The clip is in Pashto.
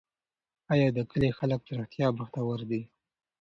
آیا د کلي خلک په رښتیا بختور دي؟